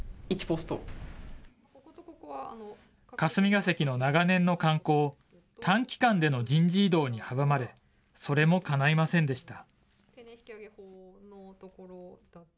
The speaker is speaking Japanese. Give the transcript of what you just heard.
霞が関の長年の慣行、短期間での人事異動に阻まれ、それもかないませんでした。